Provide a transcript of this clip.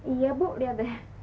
iya bu lihat deh